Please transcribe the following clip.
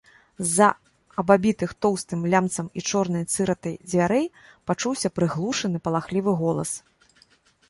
З-за абабітых тоўстым лямцам і чорнай цыратай дзвярэй пачуўся прыглушаны, палахлівы голас.